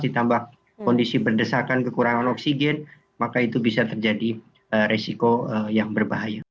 ditambah kondisi berdesakan kekurangan oksigen maka itu bisa terjadi resiko yang berbahaya